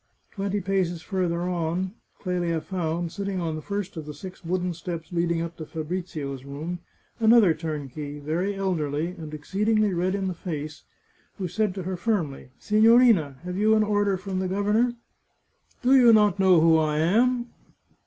Twenty paces farther on, Clelia found, sitting on the first of the six wooden steps leading up to Fabrizio's room, another turnkey, very elderly, and exceedingly red in the face, who said to her firmly, " Si gnorina, have you an order from the governor ?"" Do you not know who I am